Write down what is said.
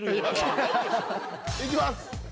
行きます！